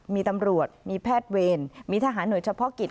มีตำรวจมีแพทย์เวรมีทหารหน่วยเฉพาะกิจ